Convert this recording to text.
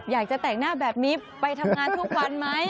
อยากจะแต่งหน้าแบบนี้ไปทำงานทุกวันไหม